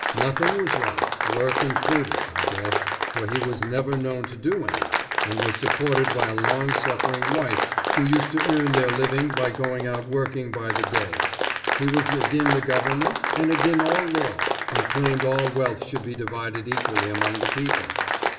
Nothing was right, work included, I guess, for he was never known to do any, and was supported by a long suffering wife who used to earn their living by going out working by the day. He was agin the government, and agin all law, and claimed all wealth should be divided equally among the people.